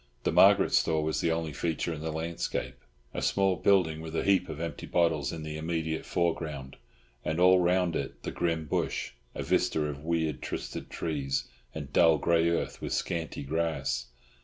The Margaret store was the only feature in the landscape—a small building with a heap of empty bottles in the immediate foreground, and all round it the grim bush, a vista of weird twisted trees and dull grey earth with scanty grass.